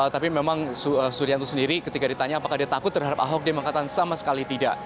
tapi memang surianto sendiri ketika ditanya apakah dia takut terhadap ahok dia mengatakan sama sekali tidak